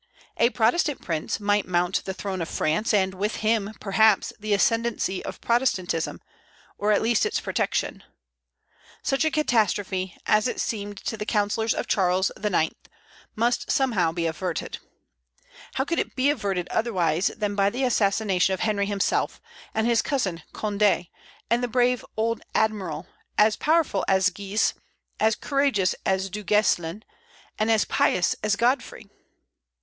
A Protestant prince might mount the throne of France, and with him, perhaps, the ascendency of Protestantism, or at least its protection. Such a catastrophe, as it seemed to the councillors of Charles IX., must somehow be averted. How could it be averted otherwise than by the assassination of Henry himself, and his cousin Condé, and the brave old admiral, as powerful as Guise, as courageous as Du Gueslin, and as pious as Godfrey?